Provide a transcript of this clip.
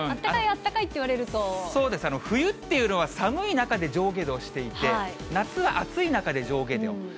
あったかい、そうですね、冬っていうのは寒い中で上下動していて、夏は暑い中で上下動。